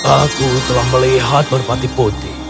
aku telah melihat merpati putih